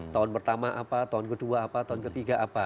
tahun pertama apa tahun kedua apa tahun ketiga apa